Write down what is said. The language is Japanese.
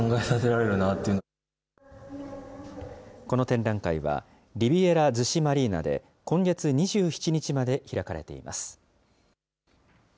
この展覧会は、リビエラ逗子マリーナで今月２７日まで開かれています。